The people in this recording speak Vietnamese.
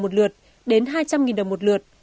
một lượt đến hai trăm linh đồng một lượt